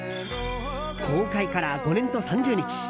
公開から５年と３０日。